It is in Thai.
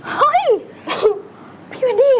เฮ้ยพี่แวนดี้เหรอ